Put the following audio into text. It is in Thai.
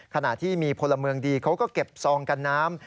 ขณะที่มีพลเมืองดีเขาก็เก็บซองกันน้ำ